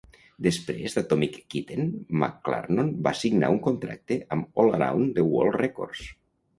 Després d'Atomic Kitten, McClarnon va signar un contracte amb All Around the World Records.